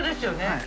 はい。